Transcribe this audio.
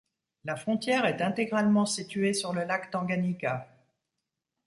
La frontière est intégralement située sur le lac Tanganyika.